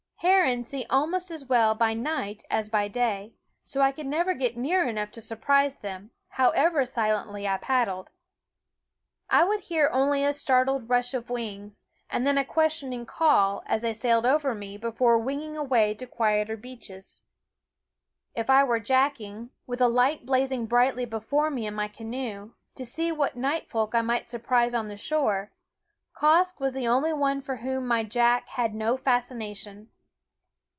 Herons see almost as well by night as by day ; so I could never get near THE WOODS Of enough to surprise them, however silently I paddled. I would hear only a startled ^,,. J .. Quoskh ffie rush of wings, and then a questioning call ^^Keen Eyed as they sailed over me before winging away to quieter beaches. If I were jacking, with a light blazing brightly before me in my canoe, to see what night folk I might surprise on the shore, Quoskh was the only one for whom my jack had no fascination.